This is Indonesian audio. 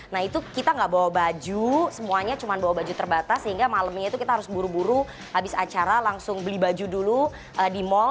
nah itu kita nggak bawa baju semuanya cuma bawa baju terbatas sehingga malamnya itu kita harus buru buru habis acara langsung beli baju dulu di mall